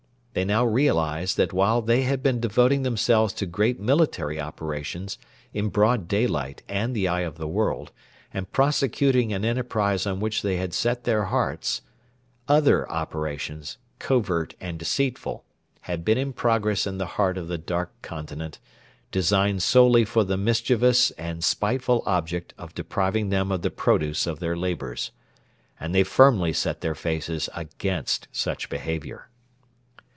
They now realised that while they had been devoting themselves to great military operations, in broad daylight and the eye of the world, and prosecuting an enterprise on which they had set their hearts, other operations covert and deceitful had been in progress in the heart of the Dark Continent, designed solely for the mischievous and spiteful object of depriving them of the produce of their labours. And they firmly set their faces against such behaviour.